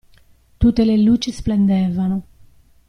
Tutte le luci splendevano.